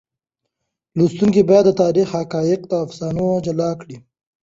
لوستونکي باید د تاریخ حقایق له افسانو جلا کړي.